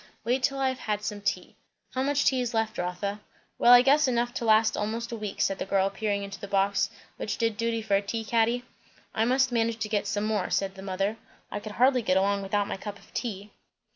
"Wait till I have had some tea. How much tea is left, Rotha?" "Well, I guess, enough to last almost a week," said the girl, peering into the box which did duty for a tea caddy. "I must manage to get some more," said the mother. "I could hardly get along without my cup of tea."